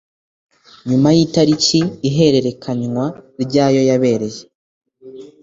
nyuma y itariki ihererekanywa ry ayo ryabereye